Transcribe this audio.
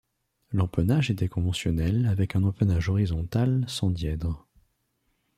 L’empennage était conventionnel, avec un empennage horizontal sans dièdre.